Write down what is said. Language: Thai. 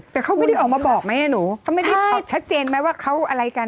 แต่เขาไม่ได้ออกมาบอกไหมหนูเขาไม่ได้บอกชัดเจนไหมว่าเขาอะไรกัน